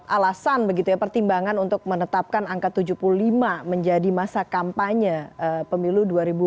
alasan begitu ya pertimbangan untuk menetapkan angka tujuh puluh lima menjadi masa kampanye pemilu dua ribu dua puluh